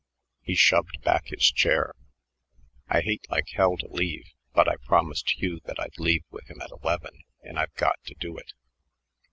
He shoved back his chair. "I hate like hell to leave; but I promised Hugh that I'd leave with him at eleven, and I've got to do it."